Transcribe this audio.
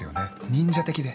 忍者的で。